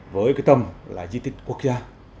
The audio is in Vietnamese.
với cái tâm là di tích quốc gia